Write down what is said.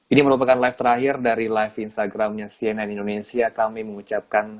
ini merupakan live terakhir dari live instagramnya cnn indonesia kami mengucapkan